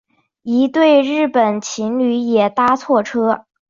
一对日本情侣也搭错车